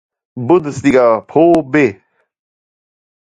Bundesliga ProB".